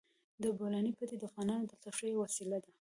د بولان پټي د افغانانو د تفریح یوه وسیله ده.